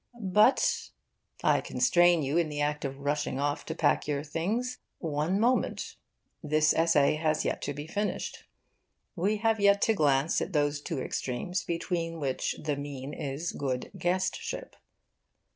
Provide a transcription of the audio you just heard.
But I constrain you in the act of rushing off to pack your things one moment: this essay has yet to be finished. We have yet to glance at those two extremes between which the mean is good guestship.